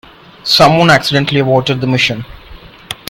Someone accidentally aborted the mission.